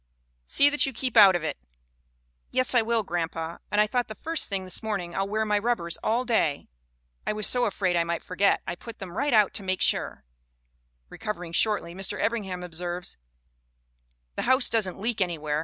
See that you keep out of it.' " 'Yes, I will, grandpa ; and I thought the first thing this morning, I'll wear my rubbers all day. I was so afraid I might forget I put them right on to make sure.' Recovering shortly Mr. Evringham observes: " The house doesn't leak anywhere.